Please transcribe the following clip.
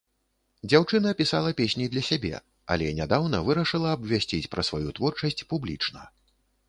Дзяўчына пісала песні для сябе, але нядаўна вырашыла абвясціць пра сваю творчасць публічна.